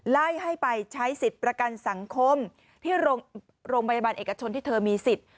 ไล่ให้ไปใช้สิทธิ์ประกันสังคมที่โรงพยาบาลเอกชนที่เธอมีสิทธิ์